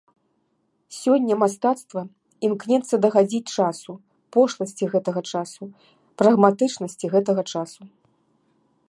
Сёння мастацтва імкнецца дагадзіць часу, пошласці гэтага часу, прагматычнасці гэтага часу.